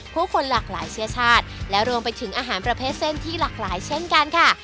ผู้คนหลากหลายเชื้อชาติและรวมไปถึงอาหารประเภทเส้นที่หลากหลายเช่นกันค่ะ